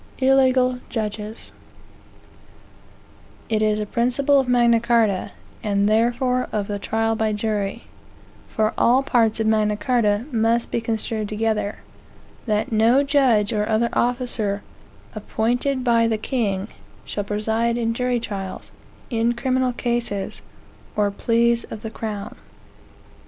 ILLEGAL JUDGES IT is a principle of Magna Carta, and therefore of the trial by jury, (for all parts of Magna Carta must be construed together,) that no judge or other officer appointed by the king, shall preside in jury trials, in criminal cases, or "pleas of the crown."